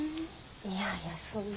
いやいやそんな。